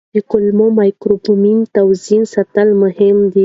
د کولمو مایکروبیوم متوازن ساتل مهم دي.